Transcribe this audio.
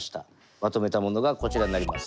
まとめたものがこちらになります。